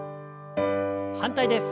反対です。